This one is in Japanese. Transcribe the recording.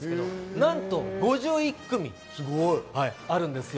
何と５１組あるんですよ。